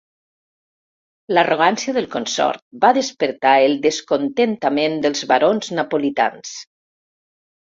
L'arrogància del consort va despertar el descontentament dels barons napolitans.